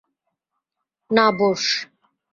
না, বোস।